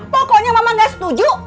pokoknya mama gak setuju